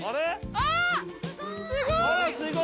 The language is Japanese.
すごい！